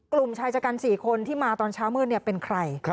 กลุ่มชายชะกัน๔คนที่มาตอนเช้ามืดเป็นใคร